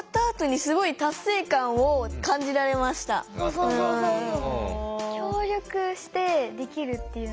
そうそうそうそう。